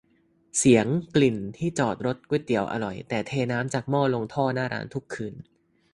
เสียง กลิ่น ที่จอดรถ ก๋วยเตี๋ยวอร่อยแต่เทน้ำจากหม้อลงท่อหน้าร้านทุกคืน